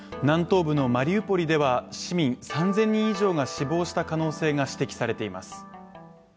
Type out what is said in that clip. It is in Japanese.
南東部のマリウポリでは市民３０００人以上が死亡した可能性が指摘されています。